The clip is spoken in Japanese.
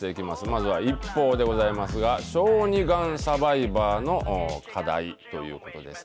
まずはＩＰＰＯＵでございますが、小児がんサバイバーの課題ということです。